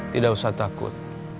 tidak usah takut